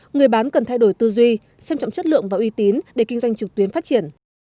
người bán cần thay đổi tư duy xem trọng chất lượng và uy tín để kinh doanh trực tuyến phát triển